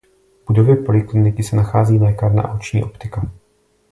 V budově polikliniky se nachází lékárna a oční optika.